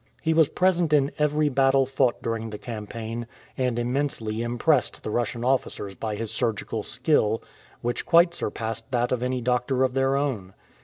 He was present in every battle fought during the campaign, and immensely impressed the Russian officers by his surgical skill, which quite surpassed that of any doctor of their own.